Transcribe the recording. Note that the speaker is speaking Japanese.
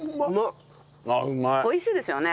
美味しいですよね？